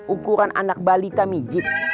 ukuran anak balita menjijit